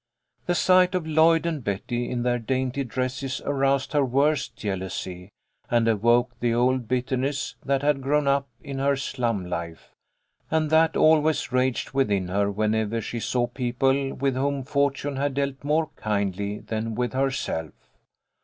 The sight of Lloyd and Betty in their dainty dresses aroused her worst jealousy, and awoke the old bitterness that had grown up in her slum life, and that always raged within her whenever she saw people with whom fortune had dealt more kindly than with herself.